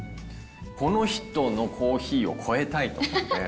この人のコーヒーを超えたいと思って。